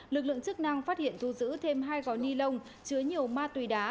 lực lượng chức năng phát hiện thu giữ thêm hai gói ni lông chứa nhiều ma túy đá